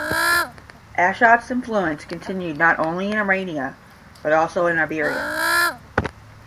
Ashot's influence continued not only in Armenia but also in Iberia.